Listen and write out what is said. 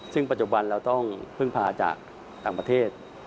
ซึ่งปัจจุบันเราต้องพึ่งพาจากต่างประเทศ